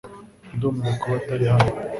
Ndumiwe kuba atari hano .